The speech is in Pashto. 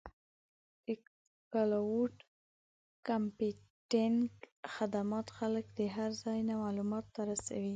د کلاؤډ کمپیوټینګ خدمات خلک د هر ځای نه معلوماتو ته رسوي.